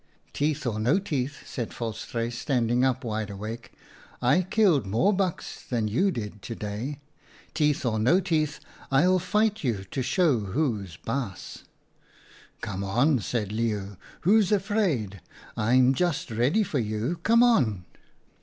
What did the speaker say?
"' Teeth or no teeth/ said Volstruis, stand ing up wide awake, ' I killed more bucks than WHO WAS KING? 37 you did to day. Teeth or no teeth, 111 fight you to show who's baas.' "' Come on,' said Leeuw. * Who's afraid ? I'm just ready for you. Come on